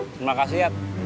terima kasih yap